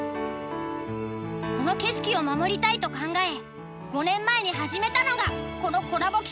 この景色を守りたいと考え５年前に始めたのがこのコラボ企画だったんだ。